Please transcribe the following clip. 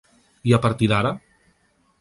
I a partir d’ara?